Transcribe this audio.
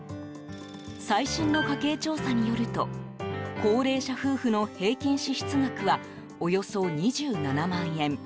最新の家計調査によると高齢者夫婦の平均支出額はおよそ２７万円。